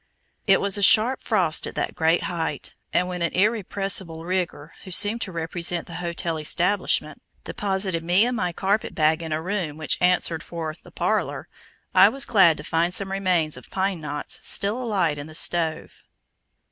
It was a sharp frost at that great height, and when an "irrepressible nigger," who seemed to represent the hotel establishment, deposited me and my carpetbag in a room which answered for "the parlor," I was glad to find some remains of pine knots still alight in the stove.